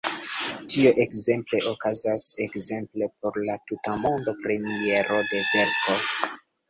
Tio ekzemple okazas ekzemple por la tutmonda premiero de verko.